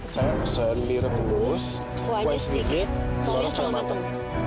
saya pesan mie rebus kuahnya sedikit telur setengah matang